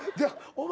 お前。